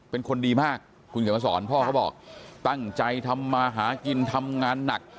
เป็นคนดีมากคุณเขียนมาสอนพ่อเขาบอกตั้งใจทำมาหากินทำงานหนัก